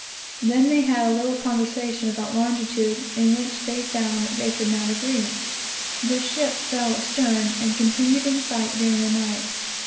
They then had a little conversation about longitude, in which they found that they could not agree. The ship fell astern, and continued in sight during the night.